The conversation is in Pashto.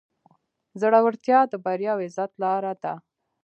زړورتیا د بریا او عزت لاره ده.